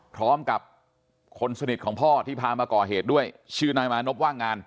พร้อมกับคนสนิทของพ่อที่พามาก่อเหตุด้วยชื่อนายมานพว่างงาน